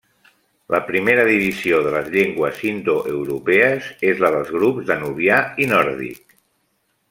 La primera divisió de les llengües indoeuropees és la dels grups danubià i nòrdic.